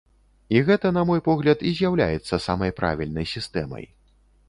І гэта, на мой погляд, і з'яўляецца самай правільнай сістэмай.